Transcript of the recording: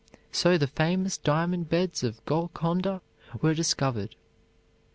So the famous diamond beds of Golconda were discovered.